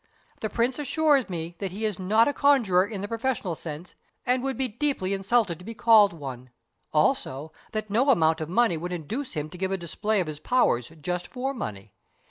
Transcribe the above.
The Prince assures me that he is not a conjurer in the professional sense, and would be deeply insulted to be called one; also that no amount of money would induce him to give a display of his powers just for money.